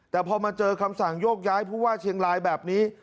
แต่พอมาเจอคำสั่งโยกย้ายผู้ว่าเชียงรายแบบนี้